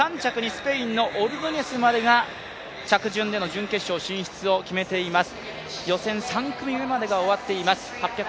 スペインのオルドニェスまでが着順での準決勝進出を決めています。